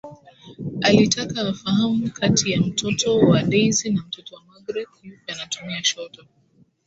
Alitaka afahamu kati ya mtoto wa Daisy na Mtoto wa Magreth yupi anatumia shoto